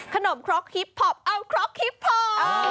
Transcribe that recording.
ขนมคล็อกฮิปพอปเอาคล็อกฮิปพอป